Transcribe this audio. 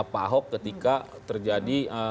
pahok ketika terjadi